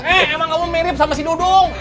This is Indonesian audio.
eh emang kamu mirip sama si dudung